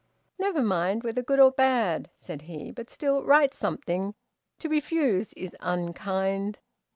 "Never mind, whether good or bad," said he, "but still write something, to refuse is unkind.